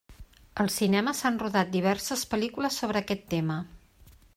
Al cinema s'han rodat diverses pel·lícules sobre aquest tema.